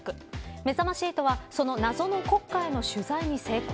めざまし８はその謎の国家の取材に成功。